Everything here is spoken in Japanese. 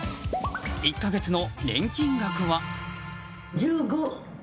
１か月の年金額は。